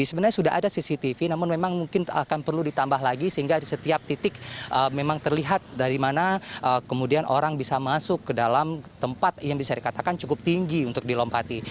sebenarnya sudah ada cctv namun memang mungkin akan perlu ditambah lagi sehingga di setiap titik memang terlihat dari mana kemudian orang bisa masuk ke dalam tempat yang bisa dikatakan cukup tinggi untuk dilompati